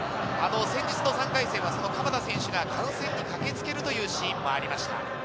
３回戦は、その鎌田選手が観戦に駆けつけるというシーンもありました。